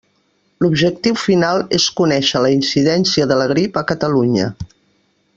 L'objectiu final és conèixer la incidència de la grip a Catalunya.